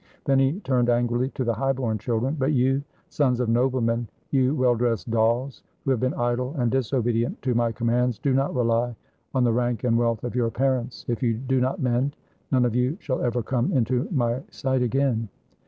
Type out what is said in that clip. Then he turned angrily to the high born children: "But you, sons of noblemen, you well dressed dolls, who have been idle and disobedient to my commands, do not rely on the rank and wealth of your parents; if you do not mend, none of you shall ever come into my sight again.